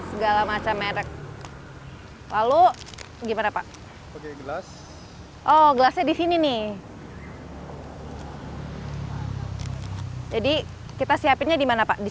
segala macam merek lalu gimana pak oh gelasnya di sini nih jadi kita siapinnya di mana pak di